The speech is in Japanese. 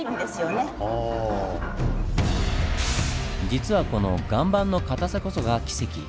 実はこの「岩盤のかたさ」こそがキセキ。